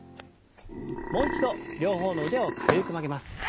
もう一度両方の腕を軽く曲げます。